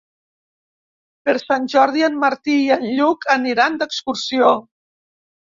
Per Sant Jordi en Martí i en Lluc aniran d'excursió.